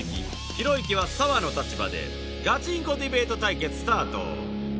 ひろゆきは「サワ」の立場でガチンコディベート対決スタート